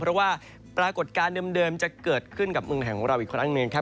เพราะว่าปรากฏการณ์เดิมจะเกิดขึ้นกับเมืองไทยของเราอีกครั้งหนึ่งครับ